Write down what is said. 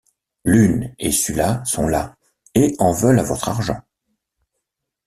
Lune et Shula sont là, et en veulent à votre argent.